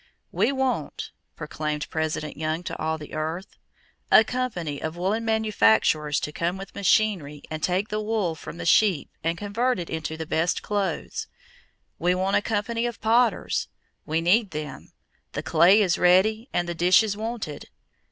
"We want," proclaimed President Young to all the earth, "a company of woolen manufacturers to come with machinery and take the wool from the sheep and convert it into the best clothes. We want a company of potters; we need them; the clay is ready and the dishes wanted....